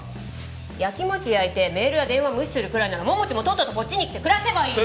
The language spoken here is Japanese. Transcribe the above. ヤキモチ焼いてメールや電話無視するくらいなら桃地もとっととこっちに来て暮らせばいいじゃん。